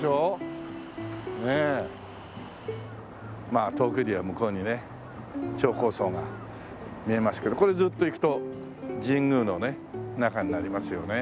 まあ遠くには向こうにね超高層が見えますけどこれずっと行くと神宮のね中になりますよね。